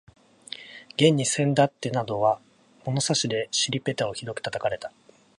現にせんだってなどは物差しで尻ぺたをひどく叩かれた